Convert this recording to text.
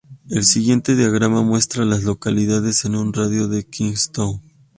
El siguiente diagrama muestra a las localidades en un radio de de Kingstown.